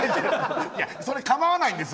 それは構わないんですよ。